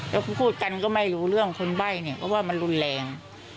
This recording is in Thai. แล้วก็พูดกันก็ไม่รู้เรื่องคนใบ้เนี่ยเพราะว่ามันรุนแรง